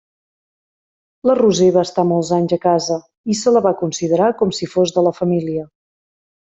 La Roser va estar molts anys a casa, i se la va considerar com si fos de la família.